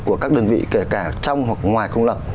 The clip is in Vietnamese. của các đơn vị kể cả trong hoặc ngoài công lập